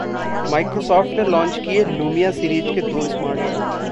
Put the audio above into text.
Microsoft ने launch किए Lumia series के दो स्मार्टफोन